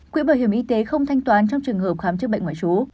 quỹ bảo hiểm y tế không thanh toán trong trường hợp khám chức bệnh ngoại trú